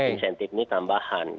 insentif ini tambah